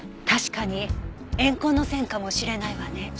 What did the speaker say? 確かに怨恨の線かもしれないわね。